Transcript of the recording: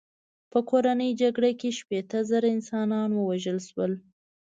په کورنۍ جګړه کې شپېته زره انسانان ووژل شول.